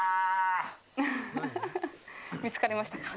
見つかりましたか？